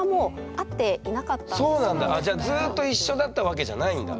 あっじゃあずっと一緒だったわけじゃないんだ。